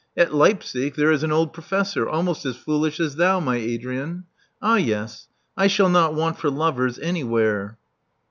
At Leipzig there is an old professor, almost as foolish as thou, my Adrian. Ah, yes: I shall not want for lovers anywhere."